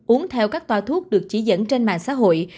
uống theo các toa thuốc được chỉ dẫn trên mạng xã hội